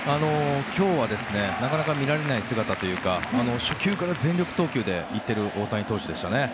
今日はなかなか見られない姿というか初球から全力投球でいっている大谷投手でしたね。